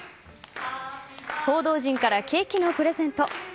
報道陣からケーキのプレゼント。